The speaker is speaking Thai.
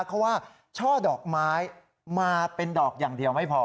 เขาว่าช่อดอกไม้มาเป็นดอกอย่างเดียวไม่พอ